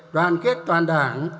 đoàn kết toàn đảng